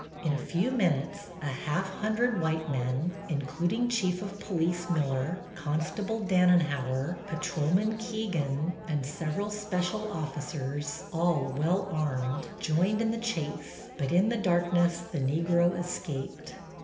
In a few minutes a half hundred white men, including Chief of Police Miller, Constable Dannenhauer, Patrolman Keegan and several special officers, all well armed, joined in the chase, but in the darkness the Negro escaped.